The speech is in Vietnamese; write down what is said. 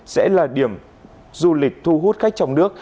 sẽ là điểm du lịch thu hút khách trong nước